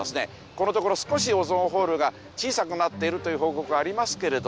このところ少しオゾンホールが小さくなっているという報告はありますけれど。